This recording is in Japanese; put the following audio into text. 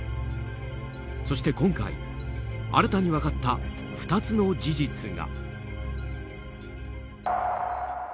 そして今回、新たに分かった２つの事実が。